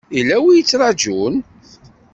Yella wi y-ittrajun?